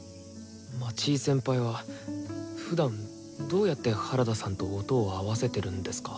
町井先輩はふだんどうやって原田さんと音を合わせてるんですか？